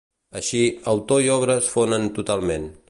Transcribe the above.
Així, autor i obra es fonen totalment.